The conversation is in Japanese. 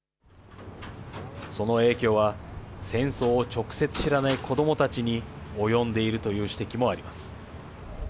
その影響は、戦争を直接知らない子どもたちに、及んでいるという指摘もあります。